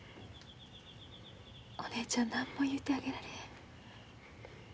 お姉ちゃん何も言うてあげられへん。